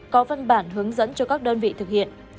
có văn bản hướng dẫn cho các đơn vị thực hiện